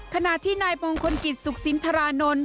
ขณะที่นายมงคลกิจสุขสินทรานนท์